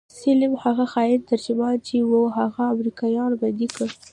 سليم هغه خاين ترجمان چې و هغه امريکايانو بندي کړى.